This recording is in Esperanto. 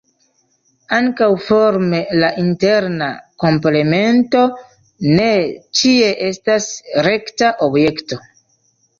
Ankaŭ forme la interna komplemento ne ĉie estas rekta objekto.